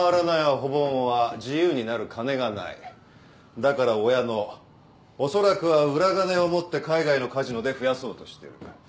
だから親のおそらくは裏金を持って海外のカジノで増やそうとしてる。